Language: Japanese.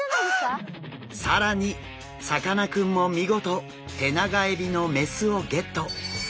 更にさかなクンも見事テナガエビの雌をゲット！